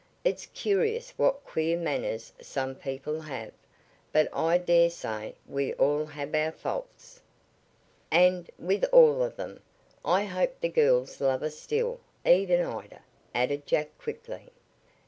It's curious what queer manners some people have. But I dare say we all have our own faults." "And, with all of them, I hope the girls love us still even Ida," added Jack quickly.